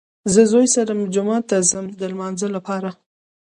زه زوی سره مې جومات ته ځم د لمانځه لپاره